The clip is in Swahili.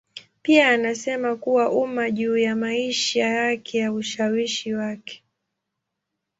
Pia anasema kwa umma juu ya maisha yake na ushawishi wake.